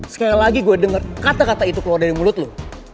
sekali lagi gue dengar kata kata itu keluar dari mulut lu